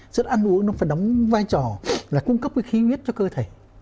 sức ăn uống nó phải đóng vai trò là cung cấp cái khí huyết cho cơ thể